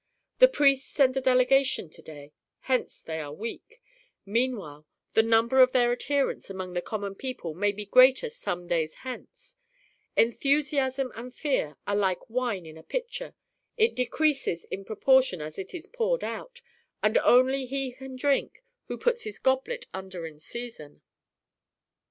The priests send a delegation to day, hence they are weak. Meanwhile the number of their adherents among the common people may be greater some days hence. Enthusiasm and fear are like wine in a pitcher; it decreases in proportion as it is poured out, and only he can drink who puts his goblet under in season.